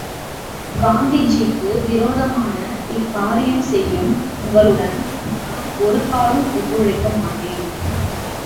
காந்திஜிக்கு விரோதமான இக்காரியம் செய்யும் உங்களுடன் நான் ஒருக்காலும் ஒத்துழைக்கமாட்டேன்.